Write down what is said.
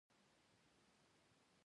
د لۍ د وینې لپاره د مالګې اوبه وکاروئ